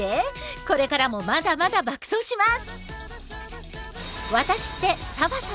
これからもまだまだ爆走します！